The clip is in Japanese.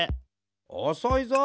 おそいぞ。